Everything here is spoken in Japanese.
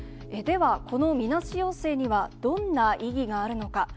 では、このみなし陽性にはどんな意義があるのか。